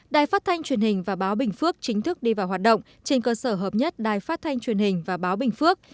đài phát thanh truyền hình và báo bình phước chính thức đi vào hoạt động trên cơ sở hợp nhất đài phát thanh truyền hình và báo bình phước